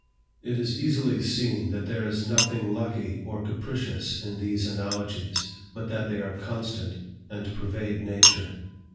It is easily seen that there is nothing lucky or capricious in these analogies, but that they are constant, and pervade nature.